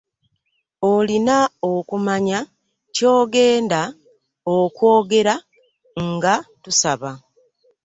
Olina okumanya kyogenda okwogera nga tusaba.